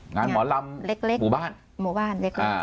งานหมอลำหมู่บ้าน